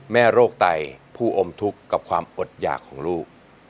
โรคไตผู้อมทุกข์กับความอดหยากของลูก